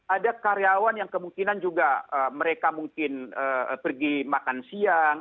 ada karyawan yang kemungkinan juga mereka mungkin pergi makan siang